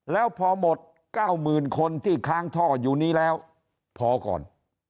แล้วพอหมด๙๐๐๐คนที่ค้างท่ออยู่นี้แล้วพอก่อน